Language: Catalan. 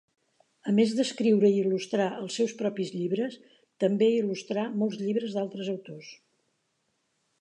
A més d'escriure i il·lustrar els seus propis llibres, també il·lustrà molts llibres d'altres autors.